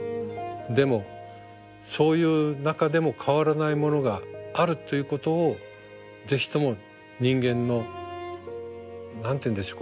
でもそういう中でも変わらないものがあるということをぜひとも人間の何て言うんでしょう